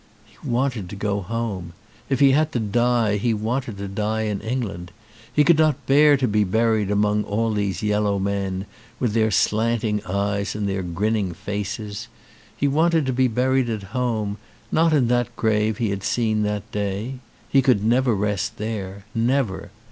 He wanted to go home. If he had to die he wanted to die in England. He could not bear to be buried among all these yellow men, with their slanting eyes and their grinning faces. He wanted to be buried at home, not in that grave he had seen that day. He could never rest there. Never.